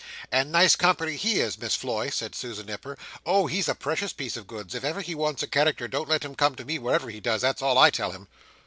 "And nice company he is, Miss Floy," said Susan Nipper. "Oh, he's a precious piece of goods! If ever he wants a character don't let him come to me whatever he does, that's all I tell him."